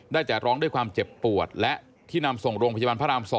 ได้แต่ร้องด้วยความเจ็บปวดและที่นำส่งโรงพยาบาลพระราม๒